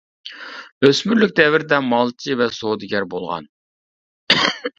ئۆسمۈرلۈك دەۋرىدە مالچى ۋە سودىگەر بولغان.